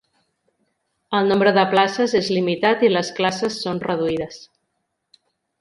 El nombre de places és limitat, i les classes són reduïdes.